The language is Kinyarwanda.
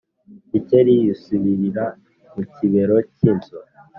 Gikeli yisubirira mu kibero cy’inzu.